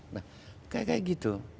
nah kayak kayak gitu